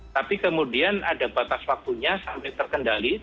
tapi kemudian ada batas waktunya sampai terkendali